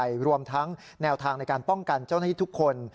รวมทั้งแนวทางในการป้องกันเจ้าหน้าที่ทุกคน